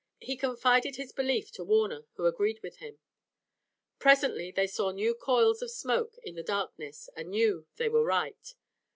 He confided his belief to Warner, who agreed with him. Presently they saw new coils of smoke in the darkness and knew they were right.